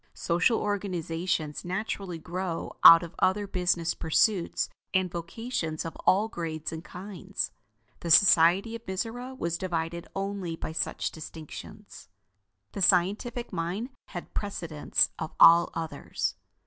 Social organizations naturally grow out of other business pursuits and vocations of all grades and kinds. The society of Mizora was divided only by such distinctions. The scientific mind had precedence of all others.